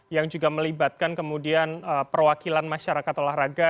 yang juga melibatkan kemudian perwakilan masyarakat olahraga